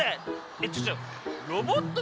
えっちょっちょロボットでしょ？